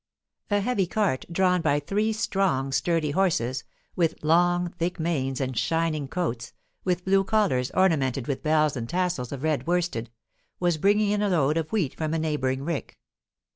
A heavy cart, drawn by three strong, sturdy horses, with long, thick manes and shining coats, with blue collars ornamented with bells and tassels of red worsted, was bringing in a load of wheat from a neighbouring rick.